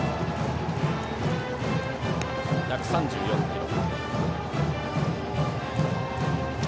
１３４キロ。